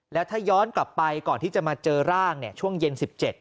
แล้วถ้าย้อนกลับไปก่อนที่จะมาเจอร่างเนี่ยช่วงเย็น๑๗